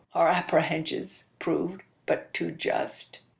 our apprehensions proved but too just.